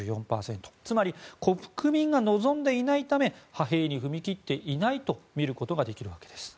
つまり国民が望んでいないため派兵に踏み切っていないとみることができるわけです。